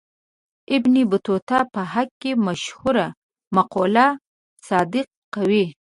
ابن بطوطه په حق کې مشهوره مقوله صدق کوي.